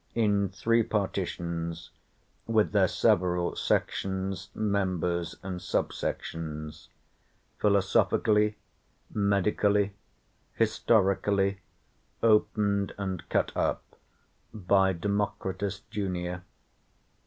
In three Partitions. With their several Sections, Members, and Sub sections, Philosophically, Medically, Historically Opened and Cut Up. By Democritus Junior.'